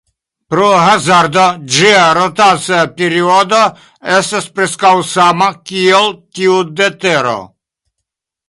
Pro hazardo, ĝia rotacia periodo estas preskaŭ sama kiel tiu de Tero.